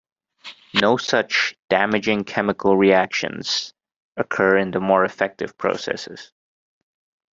No such "damaging chemical reactions" occur in the more effective processes.